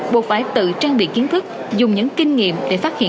buộc phải tự trang bị kiến thức dùng những kinh nghiệm để phát hiện giấy tờ thật giả